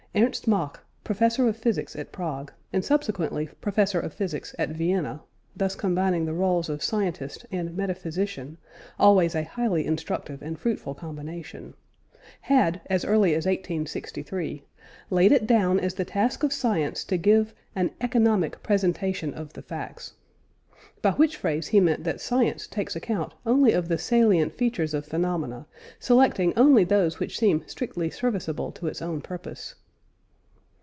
Ernst Mach, Professor of Physics at Prague, and subsequently Professor of Physics at Vienna (thus combining the roles of scientist and metaphysician always a highly instructive and fruitful combination) had as early as 1863 laid it down as the task of science to give "an economic presentation of the facts." By which phrase he meant that science takes account only of the salient features of phenomena, selecting only those which seem strictly serviceable to its own purpose.